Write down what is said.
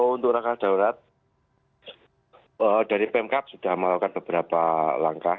untuk langkah darurat dari pemkap sudah melakukan beberapa langkah